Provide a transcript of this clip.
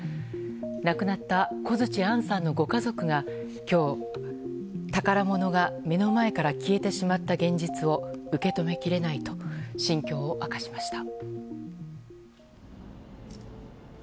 亡くなった小槌杏さんのご家族が今日、宝物が目の前から消えてしまった現実を受け止めきれないと心境を明かしました。